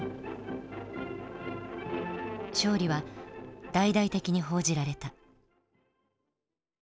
勝利は大々的に報じられた。